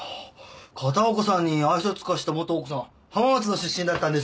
片岡さんに愛想尽かした元奥さん浜松の出身だったんですね。